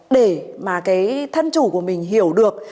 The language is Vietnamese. để mà cái thân chủ của mình hiểu được